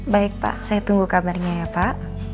baik pak saya tunggu kabarnya ya pak